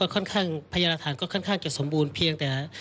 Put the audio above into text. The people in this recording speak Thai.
พยานและหลักฐานก็ค่อนข้างจะสมบูรณ์เพียงแต่